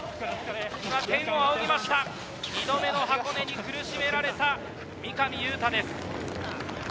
２度目の箱根路、苦しめられた三上雄太です。